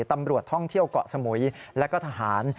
ตำรวจท่องเที่ยวเกาะสมุยและก็ทหาร